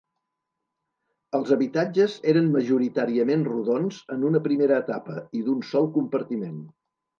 Els habitatges eren majoritàriament rodons en una primera etapa i d'un sol compartiment.